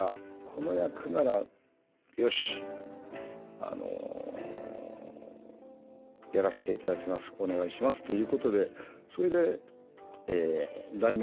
この役ならよしやらせていただきますお願いしますということでそれで題名がまた「ひまわり」。